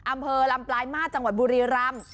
อำเภอลำปลายมาตรจังหวัดบุรีรำ